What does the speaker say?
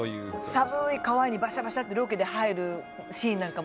寒い川にバシャバシャッてロケで入るシーンなんかも。